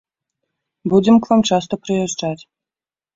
Будзем к вам часта прыязджаць.